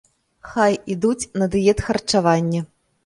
Хай ідуць на дыетхарчаванне.